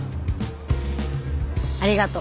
ありがと。